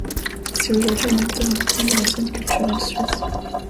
C'est aujourd'hui un acteur important de la scène culturelle suisse.